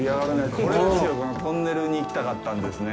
これですよ、このトンネルに行きたかったんですね。